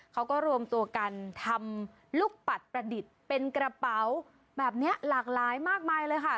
เขาก็รวมตัวกันทำลูกปัดประดิษฐ์เป็นกระเป๋าแบบนี้หลากหลายมากมายเลยค่ะ